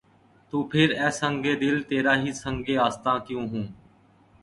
تو پھر‘ اے سنگ دل! تیرا ہی سنگِ آستاں کیوں ہو؟